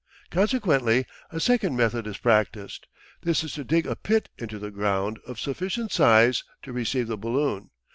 Consequently a second method is practised. This is to dig a pit into the ground of sufficient size to receive the balloon.